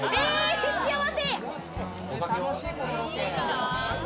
幸せ！